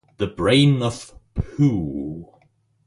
The Brain of Pooh.